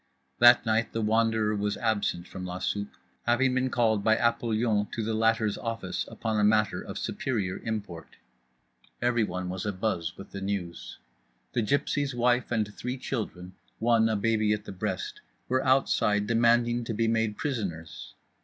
That night The Wanderer was absent from la soupe, having been called by Apollyon to the latter's office upon a matter of superior import. Everyone was abuzz with the news. The gypsy's wife and three children, one a baby at the breast, were outside demanding to be made prisoners.